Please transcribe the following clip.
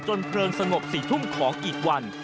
เพลิงสงบ๔ทุ่มของอีกวัน